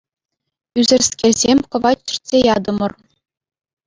Ӳсӗрскерсем кӑвайт чӗртсе ятӑмӑр.